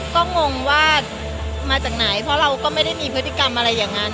ก็งงว่ามาจากไหนเพราะเราก็ไม่ได้มีพฤติกรรมอะไรอย่างนั้น